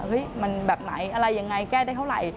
เฮ้ยมันแบบไหนอะไรยังไงแก้ได้เท่าไหร่